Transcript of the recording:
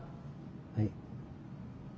はい。